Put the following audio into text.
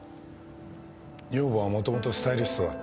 女房はもともとスタイリストだった。